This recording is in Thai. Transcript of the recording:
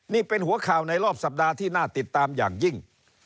นี่เป็นหัวข่าวในรอบสัปดาห์ที่น่าติดตามอย่างยิ่ง